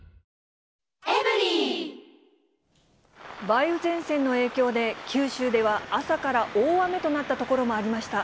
梅雨前線の影響で、九州では朝から大雨となった所もありました。